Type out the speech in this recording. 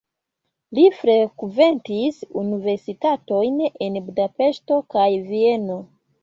Li frekventis universitatojn en Budapeŝto kaj Vieno.